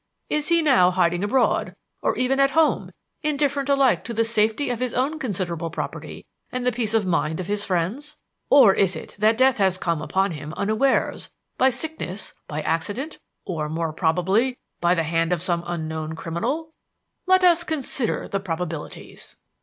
Is he now hiding abroad, or even at home, indifferent alike to the safety of his own considerable property and the peace of mind of his friends? Or is it that death has come upon him unawares by sickness, by accident, or, more probably, by the hand of some unknown criminal? Let us consider the probabilities.